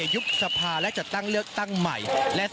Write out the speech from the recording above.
ยุบสภาและจัดตั้งเลือกตั้งใหม่